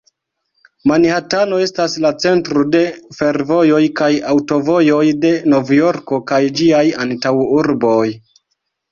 Manhatano estas la centro de fervojoj kaj aŭtovojoj de Novjorko kaj ĝiaj antaŭurboj.